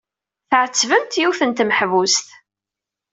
Tɛettbemt yiwet n tmeḥbust.